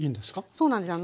そうなんですよ。